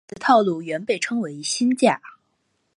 此套路原被称为新架。